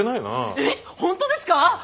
えっ本当ですか！？